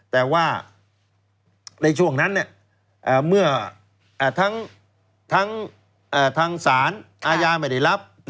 แต่ว่าในช่วงนั้นเมื่อทางศาลอาญาไม่ได้รับ